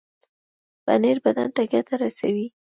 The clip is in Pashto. پنېر بدن ته ګټه رسوي.